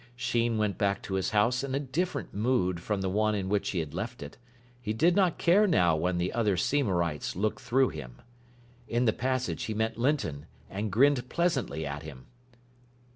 Sheen went back to his house in a different mood from the one in which he had left it. He did not care now when the other Seymourites looked through him. In the passage he met Linton, and grinned pleasantly at him.